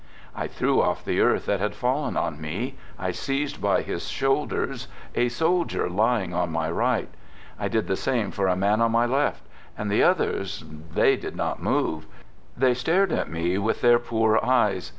... I threw off the earth that had fallen on me. I seized by his shoulders a soldier lying on my right. I did the same for a man on my left, and the others — they did not move. They stared at me with their poor eyes.